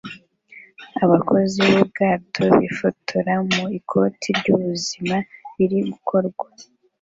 Abakozi b'ubwato bifotora mu ikoti ry'ubuzima biri gukorwa